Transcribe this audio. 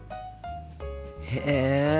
へえ。